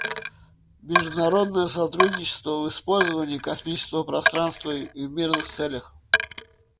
Международное сотрудничество в использовании космического пространства в мирных целях.